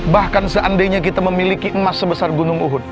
bahkan seandainya kita memiliki emas sebesar gunung uhud